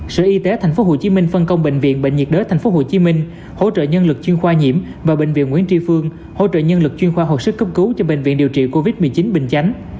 sở y tế tp hcm phân công bệnh viện bệnh nhiệt đới tp hcm hỗ trợ nhân lực chuyên khoa nhiễm và bệnh viện nguyễn tri phương hỗ trợ nhân lực chuyên khoa học sức cấp cứu cho bệnh viện điều trị covid một mươi chín bình chánh